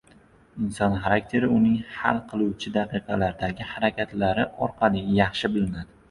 Inson xarakteri uning hal qiluvchi daqiqalardagi harakatlari orqali yaxshi bilinadi.